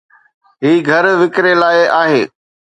هي گهر وڪري لاءِ آهي